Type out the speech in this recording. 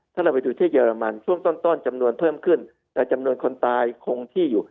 ถ้าเราไปดูที่เยอรมันช่วงต้นต้นจำนวนเพิ่มขึ้นแต่จำนวนคนตายคงที่อยู่